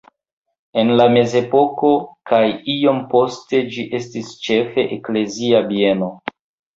En la mezepoko kaj iom poste ĝi estis ĉefe eklezia bieno.